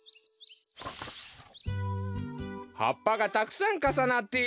はっぱがたくさんかさなっているよ。